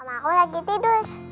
om aku lagi tidur